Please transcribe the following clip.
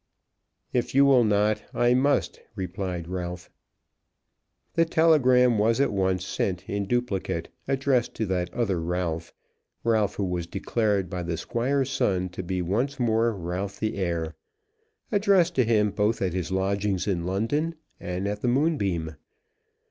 "If you will not I must," replied Ralph. The telegram was at once sent in duplicate, addressed to that other Ralph, Ralph who was declared by the Squire's son to be once more Ralph the heir, addressed to him both at his lodgings in London and at the Moonbeam.